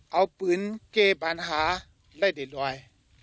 เอาปืนเกบอาณหาไล่ได้ร้อย